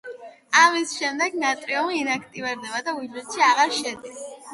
ამის შემდეგ ნატრიუმი ინაქტივირდება და უჯრედში აღარ შედის.